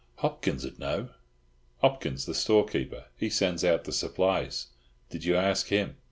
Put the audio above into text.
"Hopkins'd know. Hopkins, the storekeeper. He sends out the supplies. Did you ask him?"